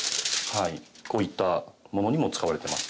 こういったものにも使われてます。